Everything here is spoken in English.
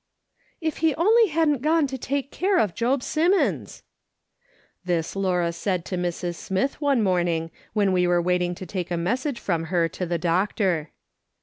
"If he only hadn't gone to take care of Job Simmons !" This Laura said to Mrs. Smith one morning when we were waiting to take a message from her to the doctor.